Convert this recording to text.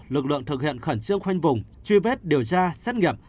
lực lượng thực hiện khẩn trương khoanh vùng truy vết điều tra xét nghiệm